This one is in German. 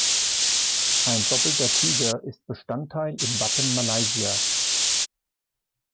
Ein doppelter Tiger ist Bestandteil im Wappen Malaysias.